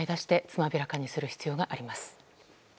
つまびらかにする必要があります。